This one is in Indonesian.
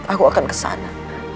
aku akan ke sana